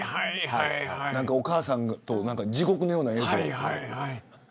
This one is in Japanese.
お母さんとの地獄のような映像。